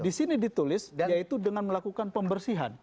di sini ditulis yaitu dengan melakukan pembersihan